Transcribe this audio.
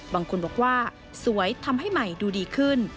บางคนบอกว่าสวยทำให้ใหม่ดูดีขึ้น